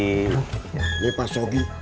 ini pak sogi